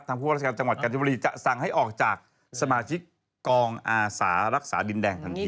ทางผู้บริษัทจังหวัดกัญชบรีสั่งให้ออกจากสมาชิกกองอาสารักษาดินแดงทางทีครับ